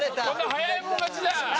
早い者勝ちじゃん。